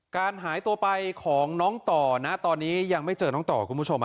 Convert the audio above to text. การหายตัวไปของน้องต่อนะตอนนี้ยังไม่เจอน้องต่อคุณผู้ชม